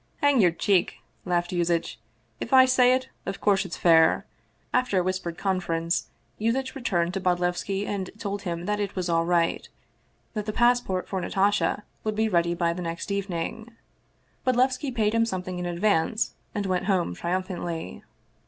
" Hang your cheek !" laughed Yuzitch ;" if I say it, of course it's fair." After a whispered conference, Yuzitch returned to Bodlevski and told him that it was all right; that the passport for Natasha would be ready by the next evening. Bodlevski paid him something in advance and went home triumphantly.